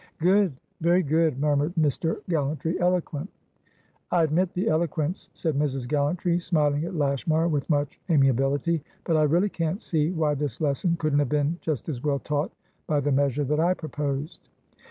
"Good, very good!" murmured Mr. Gallantry. "Eloquent!" "I admit the eloquence," said Mrs. Gallantry, smiling at Lashmar with much amiability, "but I really can't see why this lesson couldn't have been just as well taught by the measure that I proposed."